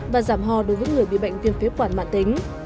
và giảm ho đối với người bị bệnh viêm phế quản mạng tính